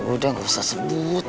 udah gak usah sebut